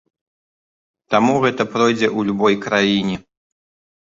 Таму гэта пройдзе ў любой краіне.